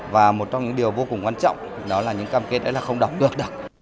và một trong những điều vô cùng quan trọng đó là những cam kết đấy là không đọc được